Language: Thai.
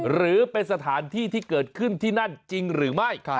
หรือเป็นสถานที่ที่เกิดขึ้นที่นั่นจริงหรือไม่